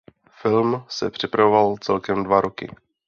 Film se připravoval celkem dva roky.